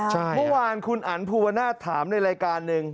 เมื่อวานคุณอันภูวนาศถามในรายการหนึ่ง